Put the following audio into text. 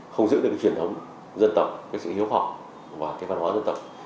không giữ được truyền thống dân tộc sự hiếu học và văn hóa dân tộc